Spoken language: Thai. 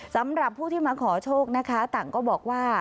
สำหรับผู้ที่มาขอโชคนะคะต่างก็บอกว่า